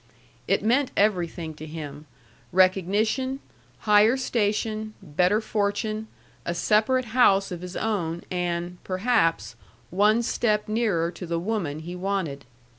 It meant everything to him: recognition, higher station, better fortune, a separate house of his own, and perhaps one step nearer to the woman he wanted.